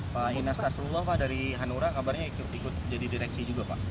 pak inas nasrullah pak dari hanura kabarnya ikut jadi direksi juga pak